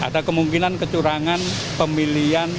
jadi ada kemungkinan kecurangan pemilihan